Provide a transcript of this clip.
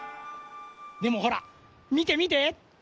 でもほらみてみて。